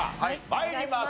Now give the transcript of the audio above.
参ります。